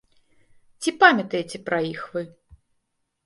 Ці памятаеце пра іх вы?